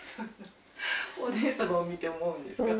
お姉様を見て思うんですか？